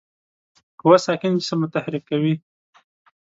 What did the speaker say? قوه ساکن جسم متحرک کوي.